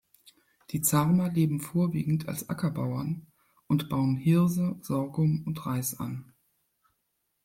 Die Zarma leben vorwiegend als Ackerbauern und bauen Hirse, Sorghum und Reis an.